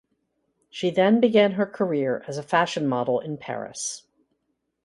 She then began her career as a fashion model in Paris.